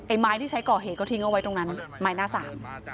ไม้ที่ใช้ก่อเหตุก็ทิ้งเอาไว้ตรงนั้นไม้หน้าสาม